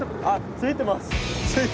ついてます。